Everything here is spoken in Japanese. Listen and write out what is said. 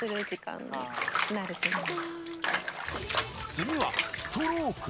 次は「ストローク」？